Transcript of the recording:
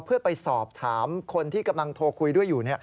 เพื่อไปสอบถามคนที่กำลังโทรคุยด้วยอยู่